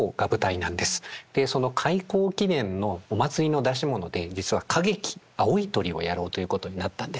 でその開校記念のお祭りの出し物で実は歌劇「青い鳥」をやろうということになったんですね。